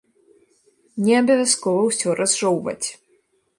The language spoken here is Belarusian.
Не абавязкова ўсё разжоўваць.